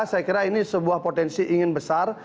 saya kira ini sebuah potensi ingin besar